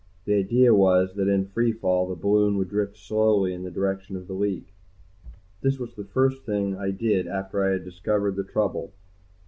The idea was that in free fall the balloon would drift slowly in the direction of the leak. This was the first thing I did after I had discovered the trouble.